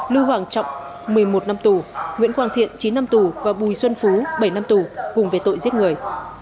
lưu hoàng trọng một mươi một năm tù nguyễn quang thiện chín năm tù và bùi xuân phú bảy năm tù cùng về tội giết người